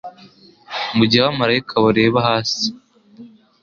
Mugihe abamarayika bareba hasi